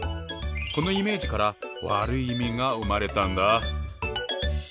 このイメージから悪い意味が生まれたんだ。